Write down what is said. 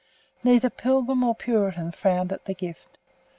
Neither Pilgrim nor Puritan frowned at the gift.